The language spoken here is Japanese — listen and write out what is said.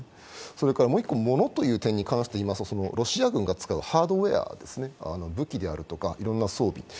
それからモノという点に関していいますとロシア軍が使うハードウエア、武器であるとかいろんな装備。